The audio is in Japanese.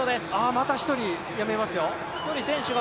また１人、やめますよ。